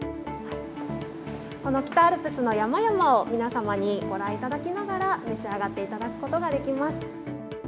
この北アルプスの山々を皆様にご覧いただきながら、召し上がっていただくことができます。